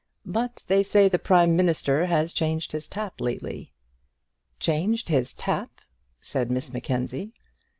But they say the prime minister has changed his tap lately." "Changed his tap!" said Miss Mackenzie.